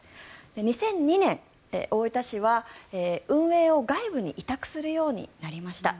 ２００２年、大分市は運営を外部に委託するようになりました。